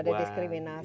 tidak ada diskriminasi